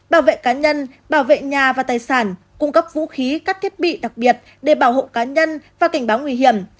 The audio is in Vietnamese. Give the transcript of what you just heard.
bảo vệ cá nhân bảo vệ nhà và tài sản cung cấp vũ khí các thiết bị đặc biệt để bảo hộ cá nhân và cảnh báo nguy hiểm